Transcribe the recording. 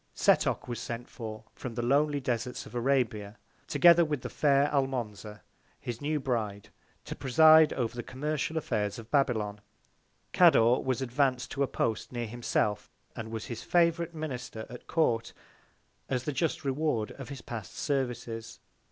Setoc was sent for from the lonely Desarts of Arabia, together with the fair Almonza, his new Bride, to preside over the commercial Affairs of Babylon. Cador was advanc'd to a Post near himself, and was his Favourite Minister at Court, as the just Reward of his past Services.